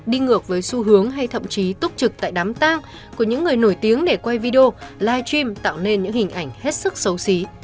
đi ngược với xu hướng hay thậm chí túc trực tại đám tang của những người nổi tiếng để quay video live stream tạo nên những hình ảnh hết sức xấu xí